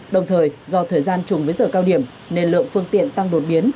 đồng thời do thời gian trùng với giờ cao điểm nền lượng phương tiện tăng đột biến